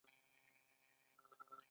د خدای کارونه ګوره!